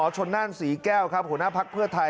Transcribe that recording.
ชนนั่นศรีแก้วครับหัวหน้าภักดิ์เพื่อไทย